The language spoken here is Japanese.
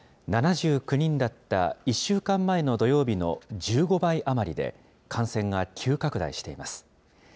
７９人だった１週間前の土曜日の１５倍余りで、感染が急拡大しています。